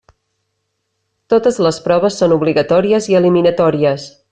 Totes les proves són obligatòries i eliminatòries.